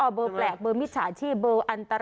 เบอร์แปลกเบอร์มิจฉาชีพเบอร์อันตราย